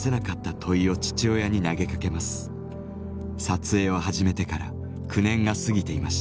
撮影を始めてから９年が過ぎていました。